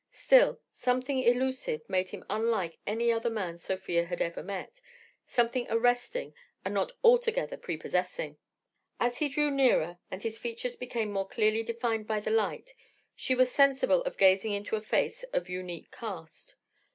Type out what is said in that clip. Still, something elusive made him unlike any other man Sofia had ever met, something arresting and not altogether prepossessing. As he drew nearer and his features became more clearly defined by the light, she was sensible of gazing into a face of unique cast.